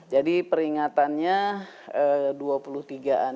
jadi peringatannya dua puluh tiga an